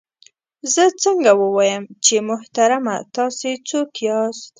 زه څنګه ووایم چې محترمه تاسې څوک یاست؟